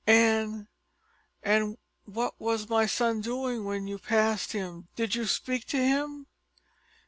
"And and what was my son doing when you passed him? Did you speak to him?"